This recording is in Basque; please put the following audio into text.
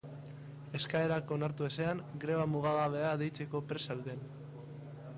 Eskaerak onartu ezean, greba mugagabea deitzeko prest zeuden.